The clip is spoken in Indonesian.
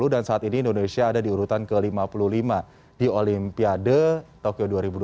dan saat ini indonesia ada diurutan ke lima puluh lima di olimpiade tokyo dua ribu dua puluh